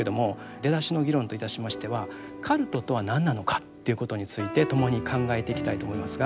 出だしの議論といたしましてはカルトとは何なのかということについて共に考えていきたいと思いますが。